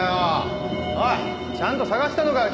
おいちゃんと探したのかよ